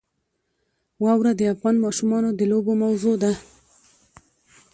واوره د افغان ماشومانو د لوبو موضوع ده.